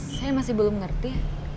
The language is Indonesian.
saya masih belum ngerti